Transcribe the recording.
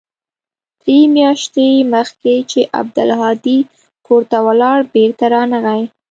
درې مياشتې مخکې چې عبدالهادي کور ته ولاړ بېرته رانغى.